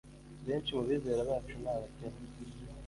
Benshi mu bizera bacu ni abakene